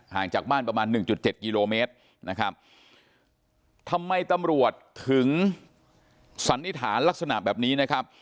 จากบ้านประมาณหนึ่งจุดเจ็ดกิโลเมตรนะครับทำไมตำรวจถึงสันนิษฐานลักษณะแบบนี้นะครับ